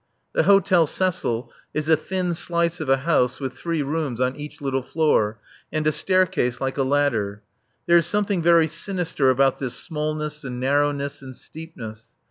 The Hôtel Cecil is a thin slice of a house with three rooms on each little floor, and a staircase like a ladder. There is something very sinister about this smallness and narrowness and steepness.